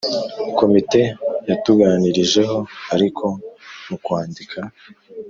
Komite yatuganirijeho ariko mu kwandika,